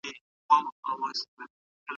غلام په ډېرې نېکۍ سره سپي ته ګوري.